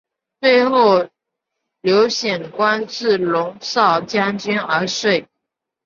最后刘显官至戎昭将军而卒。